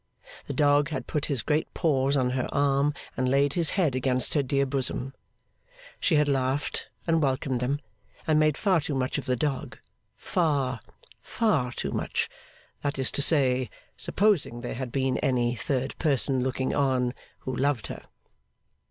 The dog had put his great paws on her arm and laid his head against her dear bosom. She had laughed and welcomed them, and made far too much of the dog, far, far, too much that is to say, supposing there had been any third person looking on who loved her.